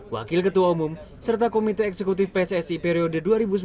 wakil ketua umum serta komite eksekutif pssi periode dua ribu sembilan belas dua ribu dua